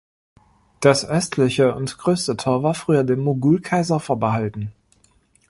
Das östliche und größte Tor war früher dem Mogulkaiser vorbehalten.